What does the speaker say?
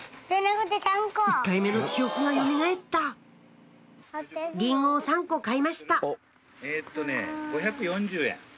１回目の記憶がよみがえったリンゴを３個買いました５４０円。